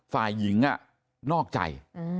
ฝ่ายหญิงนอกใจ